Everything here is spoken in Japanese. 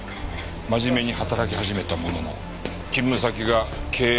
真面目に働き始めたものの勤務先が経営不振で倒産。